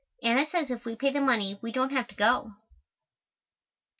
Anna says if we pay the money, we don't have to go.